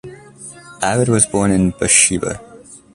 Arad was born in Beersheba.